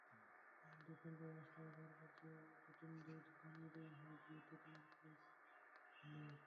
দক্ষিণ কোরিয়ায় রাষ্ট্রীয়ভাবে বারবার জুটিদের জানিয়ে দেওয়া হয়, বিয়েতে তেমন খয়খরচা নেই।